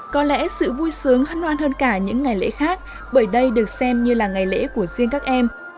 có lẽ sự vui sướng hân hoan hơn cả những ngày lễ khác bởi đây được xem như là ngày lễ của riêng các em